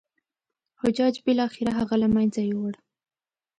حجاج بالاخره هغه له منځه یووړ.